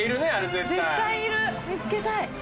絶対いる見つけたい！